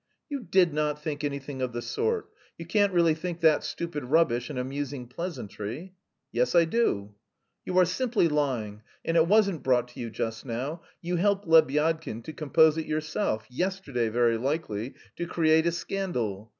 "You did not think anything of the sort. You can't really think that stupid rubbish an amusing pleasantry?" "Yes, I do." "You are simply lying, and it wasn't brought to you just now. You helped Lebyadkin to compose it yourself, yesterday very likely, to create a scandal.